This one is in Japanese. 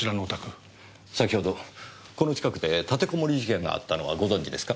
先ほどこの近くで立てこもり事件があったのはご存じですか？